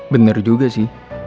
bener juga sih